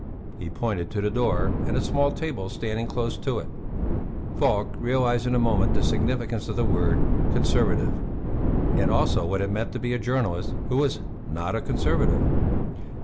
He pointed to the door and a small table standing close to it. Falk realized in a moment the significance of the word "Conservative," and also what it meant to be a journalist who was not a Conservative.